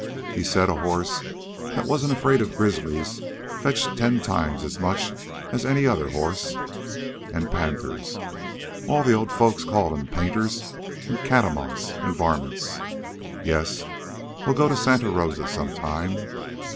He said a horse that wasn't afraid of grizzlies fetched ten times as much as any other horse. An' panthers! all the old folks called 'em painters an' catamounts an' varmints. Yes, we'll go to Santa Rosa some time.